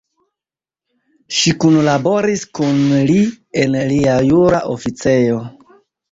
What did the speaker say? Ŝi kunlaboris kun li en lia jura oficejo.